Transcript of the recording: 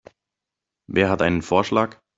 Wer hat einen Vorschlag?